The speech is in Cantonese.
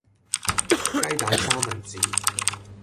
雞蛋三文治